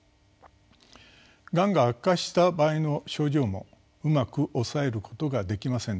がんが悪化した場合の症状もうまく抑えることができませんでした。